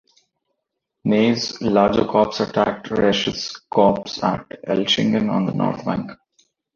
Ney's larger corps attacked Riesch's corps at Elchingen on the north bank.